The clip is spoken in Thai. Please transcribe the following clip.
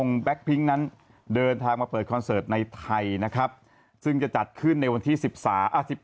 อีแท็กมันยังช่างหกเกลือพักก่อนเดี๋ยวกลับมาใหม่พักก่อนเดี๋ยวกลับมาใหม่